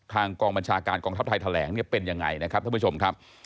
กองบัญชาการกองทัพไทยแถลงเนี่ยเป็นยังไงนะครับท่านผู้ชมครับ